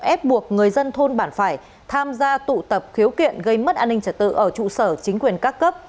ép buộc người dân thôn bản phải tham gia tụ tập khiếu kiện gây mất an ninh trật tự ở trụ sở chính quyền các cấp